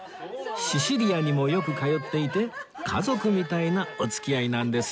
シシリアにもよく通っていて家族みたいなお付き合いなんですって